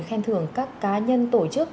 khen thưởng các cá nhân tổ chức